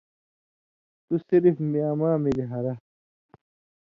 تُو صرف می اما مِلیۡ ہرہ۔